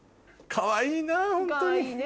かわいいね。